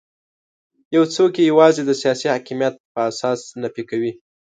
یو څوک یې یوازې د سیاسي حاکمیت په اساس نفي کوي.